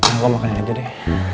lo makan aja deh